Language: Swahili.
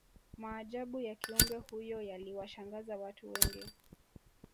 maajabu ya kiumbe huyo yaliwashangaza watu wengi